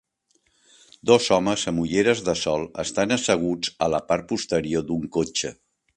Dos homes amb ulleres de sol estan asseguts a la part posterior d'un cotxe.